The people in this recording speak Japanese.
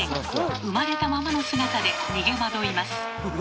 生まれたままの姿で逃げ惑います。